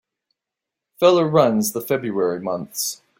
Feller runs the February months.